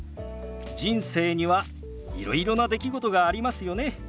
人生にはいろいろな出来事がありますよね。